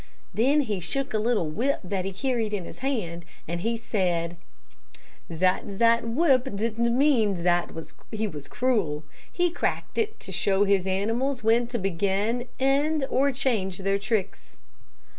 Then he shook a little whip that he carried in his hand, and he said 'zat zat whip didn't mean zat he was cruel. He cracked it to show his animals when to begin, end, or change their tricks.'